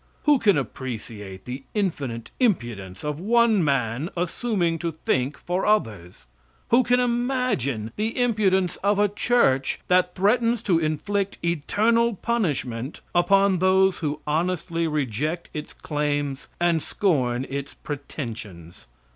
Who can appreciate the infinite impudence of one man assuming to think for others? Who can imagine the impudence of a church that threatens to inflict eternal punishment upon those who honestly reject its claims and scorn its pretensions?